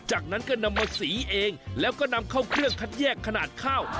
จากนั้นก็นำมาสีเองแล้วก็นำเข้าเครื่องคัดแยกขนาดข้าว